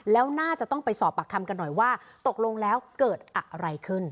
แล้วน่าจะต้องไปสอบปากคำกันหน่อยว่าตกลงแล้วเกิดอะไรขึ้น